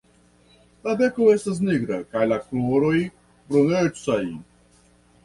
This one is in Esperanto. La beko estas nigra kaj la kruroj brunecaj.